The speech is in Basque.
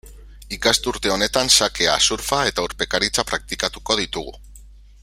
Ikasturte honetan xakea, surfa eta urpekaritza praktikatuko ditugu.